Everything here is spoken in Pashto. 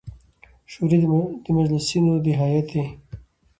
شوري د مجلسـینو د هیئـت د